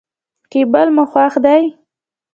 کېبل مو خوښ دی.